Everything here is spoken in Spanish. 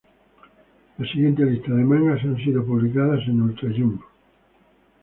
La siguiente lista de mangas han sido publicados en Ultra Jump.